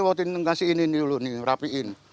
waktu ini ngasih ini dulu ini rapiin